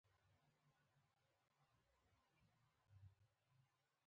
بهر که څه هم یخ وو خو دلته هوا بده نه وه.